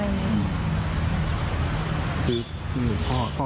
เค้าไม่ได้ยุ่งแล้ว